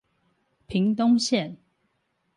屏東線